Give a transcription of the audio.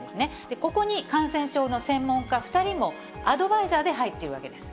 ここに感染症の専門家２人も、アドバイザーで入っているわけです。